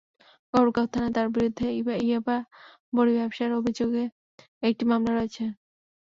গফরগাঁও থানায় তাঁর বিরুদ্ধে ইয়াবা বড়ি ব্যবসার অভিযোগে একটি মামলা রয়েছে।